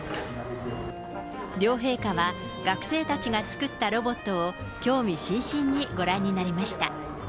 両陛下は、学生たちが作ったロボットを、興味津々にご覧になりました。